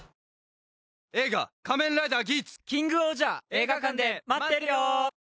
映画館で待ってるよ！